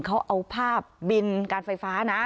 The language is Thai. เขาเอาภาพบินการไฟฟ้านะ